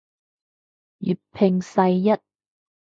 粵拼世一